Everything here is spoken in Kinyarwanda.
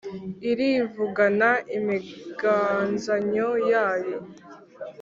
Irivugana imiganzanyo yayo